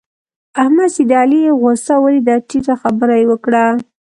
احمد چې د علي غوسه وليده؛ ټيټه خبره يې وکړه.